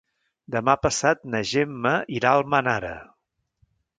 Demà passat na Gemma irà a Almenara.